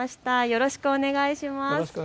よろしくお願いします。